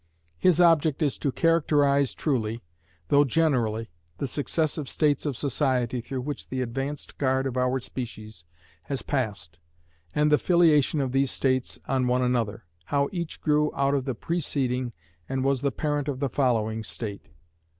His object is to characterize truly, though generally, the successive states of society through which the advanced guard of our species has passed, and the filiation of these states on one another how each grew out of the preceding and was the parent of the following state.